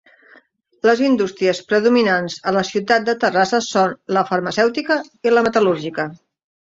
Les indústries predominants a la ciutat de Terrassa són la Farmacèutica i la Metal·lúrgica.